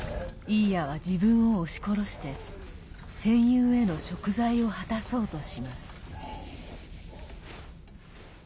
イーヤは自分を押し殺して戦友へのしょく罪を果たそうとします。